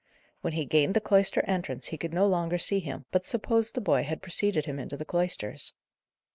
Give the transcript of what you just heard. When he gained the cloister entrance he could no longer see him, but supposed the boy had preceded him into the cloisters.